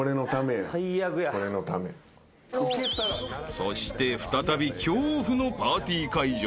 ［そして再び恐怖のパーティー会場へ］